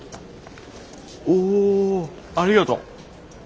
おありがとう。